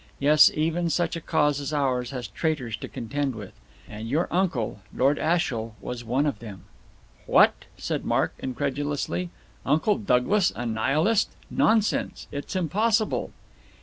Yes, even such a cause as ours has traitors to contend with. And your uncle, Lord Ashiel, was one of them." "What," said Mark incredulously, "Uncle Douglas a Nihilist? Nonsense. It's impossible."